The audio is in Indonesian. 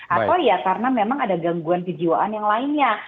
atau ya karena memang ada gangguan kejiwaan yang lainnya